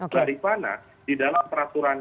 daripada di dalam peraturan